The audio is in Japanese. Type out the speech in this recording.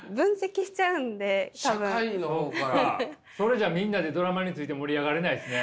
それじゃあみんなでドラマについて盛り上がれないですね。